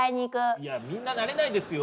いやみんななれないですよ。